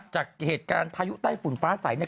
จากเหตุการณ์พายุใต้ฝุ่นฟ้าใสเนี่ย